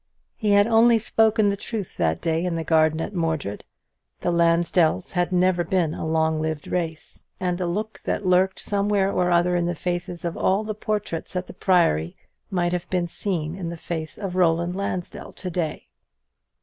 He had only spoken the truth that day in the garden at Mordred. The Lansdells had never been a long lived race; and a look that lurked somewhere or other in the faces of all the portraits at the Priory might have been seen in the face of Roland Lansdell to day.